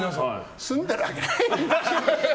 住んでるわけない！